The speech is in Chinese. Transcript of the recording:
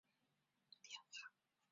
伊泽谷人口变化图示